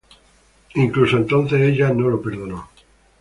Incluso entonces, ella no lo perdonó.